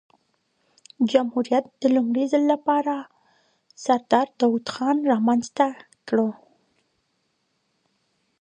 جمهوریت د لومړي ځل له پاره سردار داود خان رامنځ ته کړ.